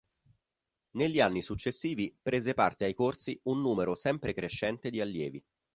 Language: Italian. Negli anni successivi prese parte ai corsi un numero sempre crescente di allievi.